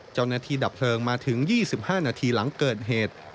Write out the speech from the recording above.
เจ้าหน้าที่ดับเพลิงมาถึง๒๕นาทีหลังเกิดเหตุ